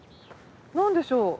何でしょう？